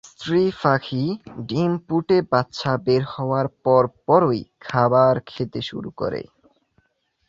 স্ত্রী পাখি ডিম ফুটে বাচ্চা বের হওয়ার পর পরই খাবার খেতে শুরু করে।